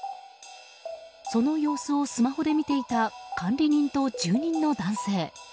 その様子をスマホで見ていた管理人と住人の男性。